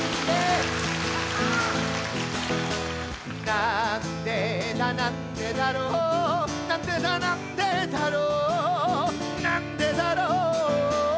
なんでだなんでだろうなんでだなんでだろうなんでだろう